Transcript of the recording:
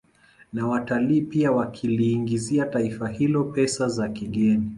Na watalii pia wakiliingizia taifa hilo pesa za kigeni